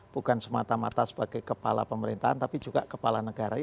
bukan semata mata sebagai kepala pemerintahan tapi juga kepala negara